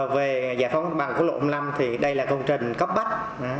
về giải phóng mặt bằng của lộng lâm thì đây là công trình cấp bách